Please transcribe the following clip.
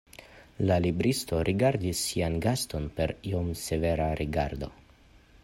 La libristo rigardis sian gaston per iom severa rigardo.